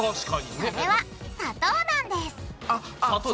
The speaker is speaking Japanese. それは砂糖なんですあっあっ